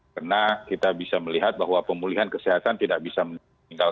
karena kita bisa melihat bahwa pemulihan kesehatan tidak bisa meninggalkan pemulihan ekonomi